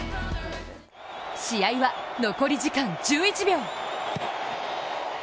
試合は残り時間１１秒。